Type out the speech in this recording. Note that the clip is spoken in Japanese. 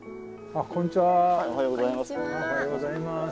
おはようございます。